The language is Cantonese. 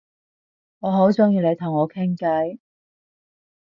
我好鍾意你同我傾偈